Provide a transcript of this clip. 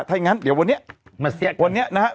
ถ้าอย่างงั้นเดี๋ยววันนี้มาแซะกันวันนี้นะฮะ